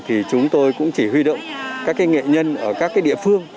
thì chúng tôi cũng chỉ huy động các nghệ nhân ở các địa phương